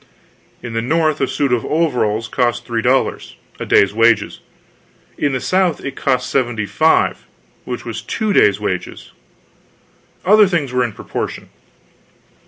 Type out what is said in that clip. In the North a suit of overalls cost three dollars a day's wages; in the South it cost seventy five which was two days' wages. Other things were in proportion.